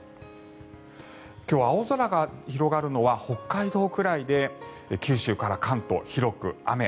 今日は青空が広がるのは北海道くらいで九州から関東、広く雨。